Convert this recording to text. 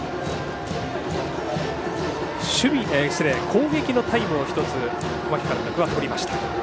攻撃のタイムを１つ小牧監督は取りました。